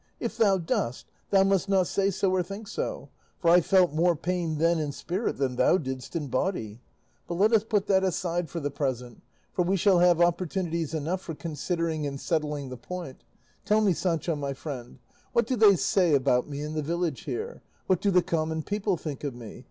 If thou dost, thou must not say so or think so, for I felt more pain then in spirit than thou didst in body. But let us put that aside for the present, for we shall have opportunities enough for considering and settling the point; tell me, Sancho my friend, what do they say about me in the village here? What do the common people think of me?